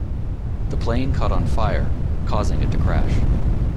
The plane caught on fire, causing it to crash.